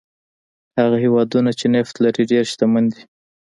هغه هېوادونه چې نفت لري ډېر شتمن دي.